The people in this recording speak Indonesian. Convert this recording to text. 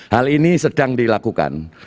hal ini sedang dilakukan